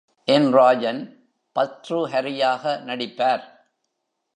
என் ராஜன் பர்த்ருஹரியாக நடிப்பார்.